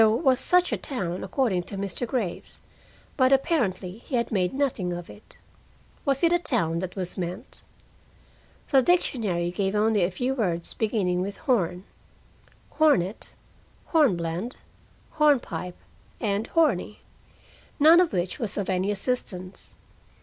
There was such a town, according to Mr. Graves, but apparently he had made nothing of it. Was it a town that was meant? The dictionary gave only a few words beginning with "horn" hornet, hornblende, hornpipe, and horny none of which was of any assistance.